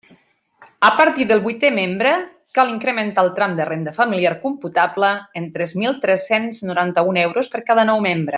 A partir del vuitè membre cal incrementar el tram de renda familiar computable en tres mil tres-cents noranta-un euros per cada nou membre.